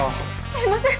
すいません！